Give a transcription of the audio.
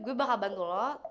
gue bakal bantu lo